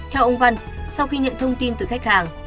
theo ông văn sau khi nhận thông tin từ khách hàng